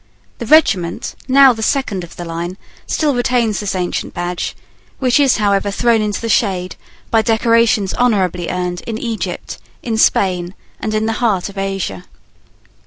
The regiment, now the second of the line, still retains this ancient badge, which is however thrown into the shade by decorations honourably earned in Egypt, in Spain, and in the heart of Asia.